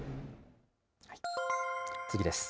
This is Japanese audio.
次です。